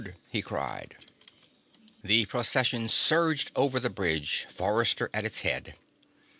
he cried. The Procession surged over the bridge, Forrester at its head.